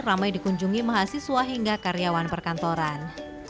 ramai dikunjungi mahasiswa hingga karyawan perkantoran